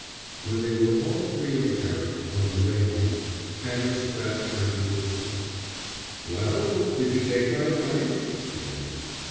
When they were all three in the carriage on their way home, Canon Spratte turned to his son. "Well, did you take my advice?" he asked.